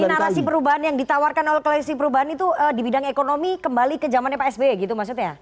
jadi narasi perubahan yang ditawarkan oleh klasisi perubahan itu di bidang ekonomi kembali ke zamannya psby gitu maksudnya